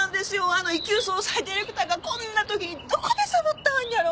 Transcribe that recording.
あの一級葬祭ディレクターがこんな時にどこでサボってはるんやろ。